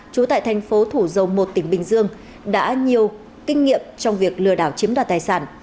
trú tại thành phố thủ dầu một tỉnh bình dương đã nhiều kinh nghiệm trong việc lừa đảo chiếm đoạt tài sản